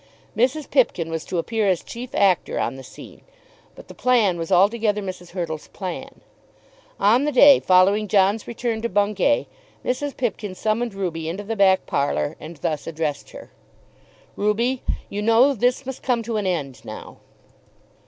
Mrs. Pipkin was to appear as chief actor on the scene, but the plan was altogether Mrs. Hurtle's plan. On the day following John's return to Bungay Mrs. Pipkin summoned Ruby into the back parlour, and thus addressed her. "Ruby, you know, this must come to an end now."